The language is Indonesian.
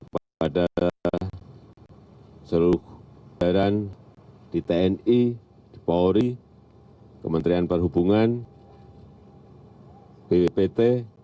kepada seluruh pemerintahan di tni di polri kementerian perhubungan bwpt